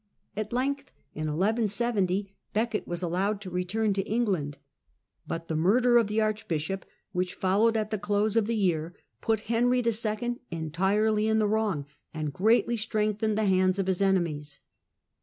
At length, in 1170, Becket was allowed to return to England, but the murder of the archbishop, which followed at the close of the year, put Henry II. entirely in the wrong, and greatly strengthened the hands of his enemies.